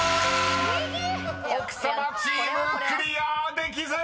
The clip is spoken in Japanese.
［奥様チームクリアできず！］